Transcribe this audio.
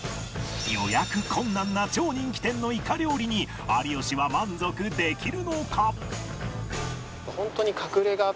予約困難な超人気店のイカ料理に有吉は満足できるのか？